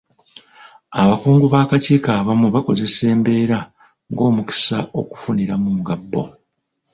Abakungu b'akakiiko abamu bakozesa embeera ng'omukisa okufuniramu nga bo.